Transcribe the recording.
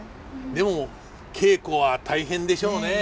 でも稽古は大変でしょうねえ。